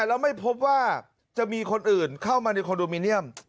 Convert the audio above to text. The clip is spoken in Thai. แล้วไม่พบว่าจะมีคนอื่นเข้ามาในคอนโดมิเนียม